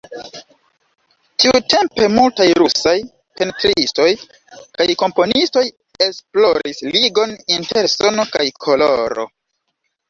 Tiutempe multaj rusaj pentristoj kaj komponistoj esploris ligon inter sono kaj koloro.